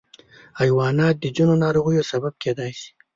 حیوانات د ځینو ناروغیو سبب کېدای شي.